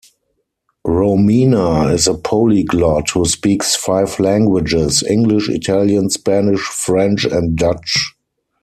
Romina is a polyglot who speaks five languages: English, Italian, Spanish, French and Dutch.